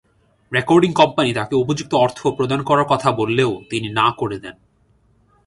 Recording company তাকে উপযুক্ত অর্থ প্রদান করার কথা বললেও, তিনি না করে দেন।